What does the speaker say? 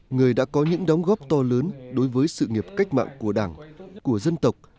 người đã có những đóng góp to lớn đối với sự nghiệp cách mạng của đảng của dân tộc